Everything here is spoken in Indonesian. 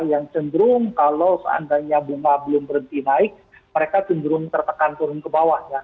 yang cenderung kalau seandainya bunga belum berhenti naik mereka cenderung tertekan turun ke bawah ya